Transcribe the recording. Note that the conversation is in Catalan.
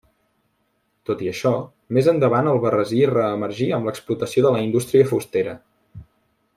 Tot i això, més endavant Albarrasí reemergí amb l'explotació de la indústria fustera.